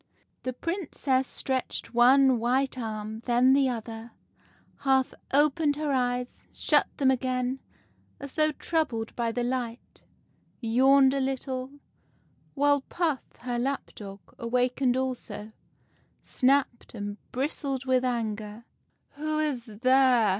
The Princess stretched one white arm, then the other, half opened her eyes, shut them again, as though troubled by the light, yawned a little ; while Puff, her lap dog, awakened also, snapped and bristled with anger. "' Who is there